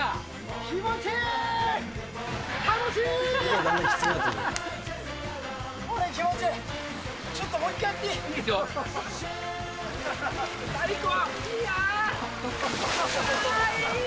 気持ちいい。